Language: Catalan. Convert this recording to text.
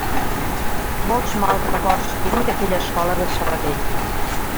Molts mals records tinc d'aquella escola de Sabadell.